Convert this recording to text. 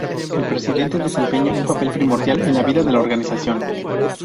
El presidente desempeña un papel primordial en la vida de la organización.